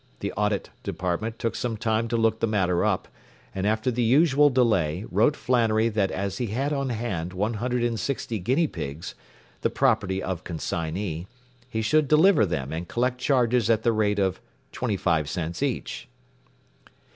The Audit Department took some time to look the matter up, and after the usual delay wrote Flannery that as he had on hand one hundred and sixty guinea pigs, the property of consignee, he should deliver them and collect charges at the rate of twenty five cents each.